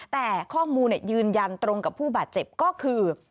แต่ข้อมูลยืนยันตรงกับผู้บาดเจ็บก็คือ